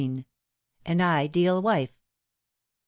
AN IDEAL WIFE.